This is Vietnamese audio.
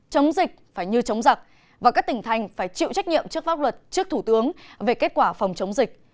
chống dịch phải như chống giặc và các tỉnh thành phải chịu trách nhiệm trước pháp luật trước thủ tướng về kết quả phòng chống dịch